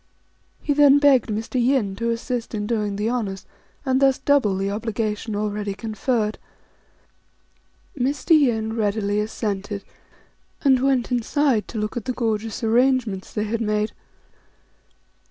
He then begged Mr. Yin to assist in doing the honours, and thus double the obligation already conferred. Mr. Yin readily assented, and went inside to look at the gorgeous arrangements they had made.